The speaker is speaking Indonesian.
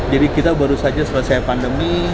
jadi kita baru saja selesai pandemi